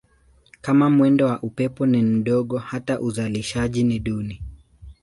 Kama mwendo wa upepo ni mdogo hata uzalishaji ni duni.